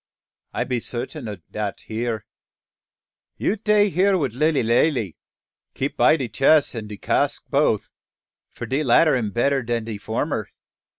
"I be sartin ob dat ere. You tay here wif Lilly Lally. Keep by de chess and de cask boaf, for de latter am better dan de former.